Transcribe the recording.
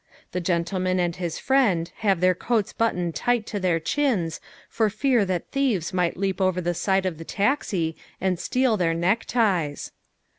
The gentleman and his friend have their coats buttoned tight to their chins for fear that thieves might leap over the side of the taxi and steal their neckties.